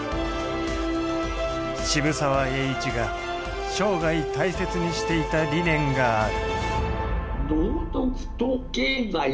渋沢栄一が生涯大切にしていた理念がある。